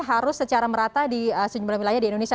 harus secara merata di sejumlah wilayah di indonesia